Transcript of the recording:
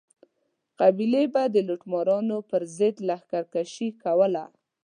قبیلې به د لوټمارانو پر ضد لښکر کشي کوله.